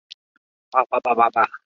百簕花是爵床科百簕花属的植物。